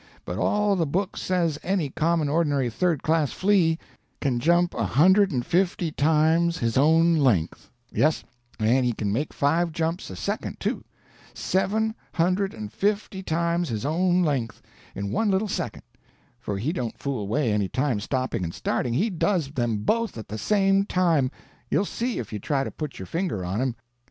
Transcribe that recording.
But all the books says any common ordinary third class flea can jump a hundred and fifty times his own length; yes, and he can make five jumps a second too—seven hundred and fifty times his own length, in one little second—for he don't fool away any time stopping and starting—he does them both at the same time; you'll see, if you try to put your finger on him.